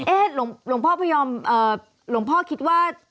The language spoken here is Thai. หลวงพ่อพยอมหลวงพ่อคิดว่า